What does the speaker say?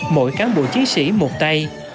mỗi cán bộ chiến sĩ một tay